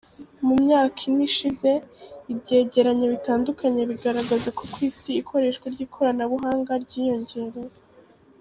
Mu myaka ine ishize ibyegeranyo bitandukanye bigaragaza ko ku isi ikoreshwa ry’ikoranabuhanga ryiyingereye.